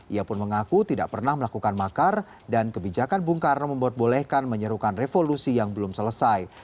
ia pun mengaku tidak pernah melakukan makar dan kebijakan bung karno membolehkan menyerukan revolusi yang belum selesai